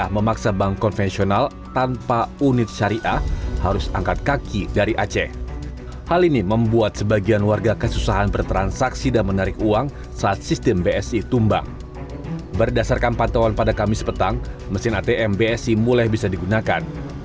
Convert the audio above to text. mesin atm bsi mulai bisa digunakan